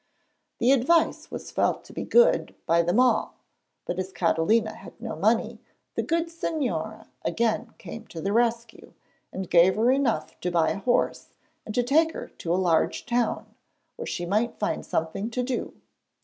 The advice was felt to be good by them all, but as Catalina had no money the good Señora again came to the rescue, and gave her enough to buy a horse and to take her to a large town, where she might find something to do.